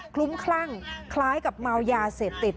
ลุ้มคลั่งคล้ายกับเมายาเสพติด